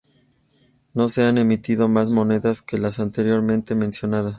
No se han emitido mas monedas que las anteriormente mencionadas.